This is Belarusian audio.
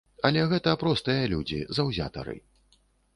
Але гэта простыя людзі, заўзятары.